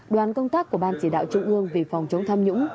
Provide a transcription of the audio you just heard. đoàn công tác của ban chỉ đạo trung ương về phòng chống tham nhũng